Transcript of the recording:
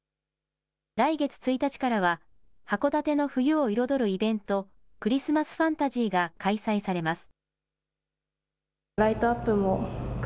来月１日からは函館の冬を彩るイベント、クリスマスファンタジーが開催されます。